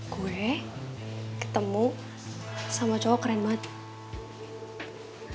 gue ketemu sama cowok keren banget